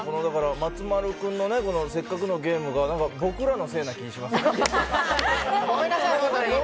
松丸君のせっかくのゲームが、僕らのせいのような気がします。